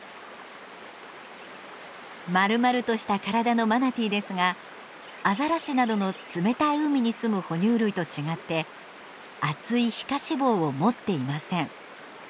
丸々とした体のマナティーですがアザラシなどの冷たい海に住む哺乳類と違って厚い皮下脂肪を持っていません。